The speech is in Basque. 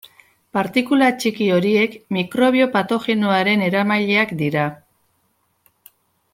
Partikula txiki horiek mikrobio patogenoaren eramaileak dira.